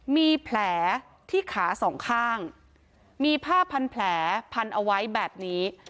มีแผลที่ขาสองข้างมีผ้าพันแผลพันเอาไว้แบบนี้